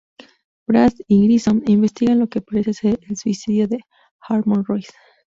Brass y Grissom investigan lo que parece ser el suicidio de Harmon Royce.